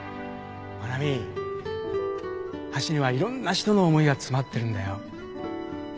真奈美橋にはいろんな人の思いが詰まってるんだよ